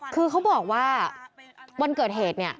คือเขาบอกว่าวันเกิดเหตุเนี่ย